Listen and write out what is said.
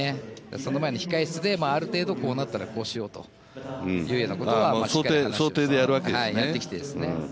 その前の控室である程度こうなったらこうしようというようなことは話していると、やってきてね。